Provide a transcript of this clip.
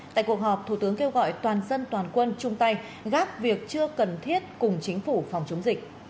tại cuộc họp thủ tướng kêu gọi toàn dân toàn quân chung tay gác việc chưa cần thiết cùng chính phủ phòng chống dịch